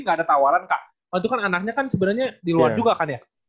gak ada tawaran kak itu kan anaknya kan sebenarnya di luar juga kan ya